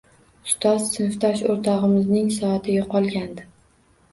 Ustoz, sinfdosh oʻrtogʻimizning soati yoʻqolgandi.